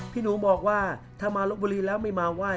พี่หนูบอกว่าถ้ามาลบบุรีแล้วไม่มาไหว้